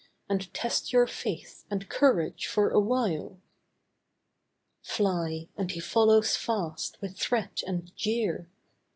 And test your faith and courage for awhile. Fly, and he follows fast with threat and jeer.